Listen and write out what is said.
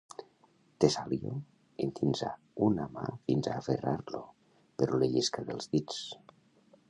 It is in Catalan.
Tesalio endinsa una mà fins a aferrar-lo, però li llisca dels dits.